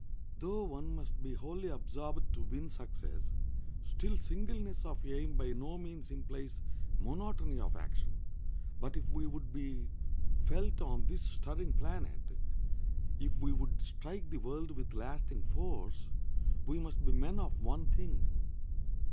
Though one must be wholly absorbed to win success, still singleness of aim by no means implies monotony of action; but if we would be felt on this stirring planet, if we would strike the world with lasting force, we must be men of one thing.